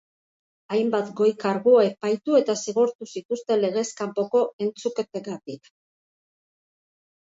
Hainbat goi kargu epaitu eta zigortu zituzten legez kanpoko entzuketengatik.